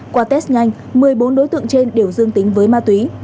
qua test nhanh một mươi bốn đối tượng trên đều dương tính với ma túy